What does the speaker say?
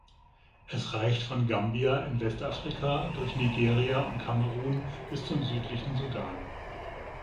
Es reicht von Gambia in Westafrika durch Nigeria und Kamerun bis zum südlichen Sudan.